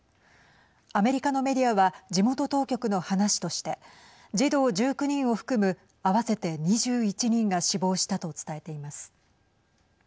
アメリカのメディアは地元当局の話として児童１９人を含む合わせて２１人が死亡したと伝えています。